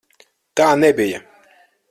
Tā nebija!